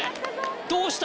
どうした？